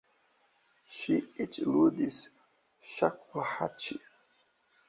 Ŝi eĉ ludis ŝakuhaĉi.